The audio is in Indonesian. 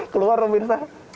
keluar loh pemirsa